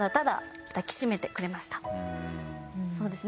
そうですね。